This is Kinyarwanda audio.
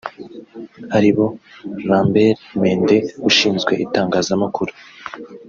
ari bo Lambert Mende ushinzwe itangazamakuru